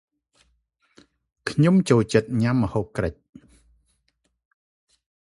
ខ្ញុំចូលចិត្តញ៉ាំម្ហូបក្រិច ។